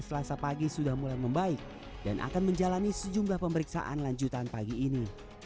selasa pagi sudah mulai membaik dan akan menjalani sejumlah pemeriksaan lanjutan pagi ini